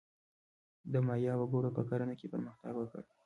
د مایا وګړو په کرنه کې پرمختګ وکړ.